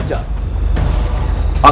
aku akan buktikan